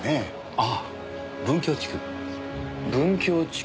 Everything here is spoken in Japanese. ああ文教地区。